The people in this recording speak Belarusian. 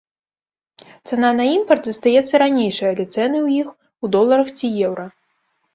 Цана на імпарт застаецца ранейшай, але цэны ў іх у доларах ці еўра.